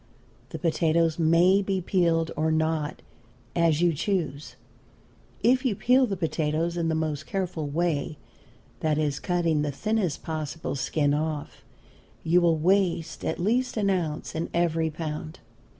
The potatoes may be peeled or not, as you choose; if you peel the potatoes in the most careful way, that is, cutting the thinnest possible skin off, you will waste at least an ounce in every pound.